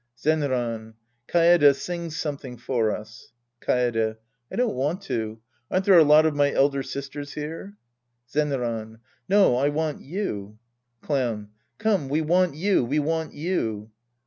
Zenran. Kaede, sing something for us. Kaede. I don't want to. Aren't there a lot of my elder sisters here ? Zenran. No, I want you. Clown. Come, we want you, we want you.